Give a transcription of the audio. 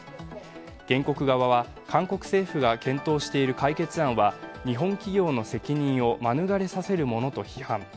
原告側は韓国政府が検討している解決案は日本企業の責任を免れさせるものと批判。